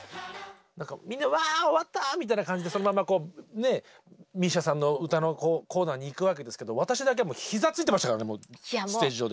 みんなわあ終わったみたいな感じでそのままＭＩＳＩＡさんの歌のコーナーにいくわけですけど私だけは膝ついてましたからねステージ上で。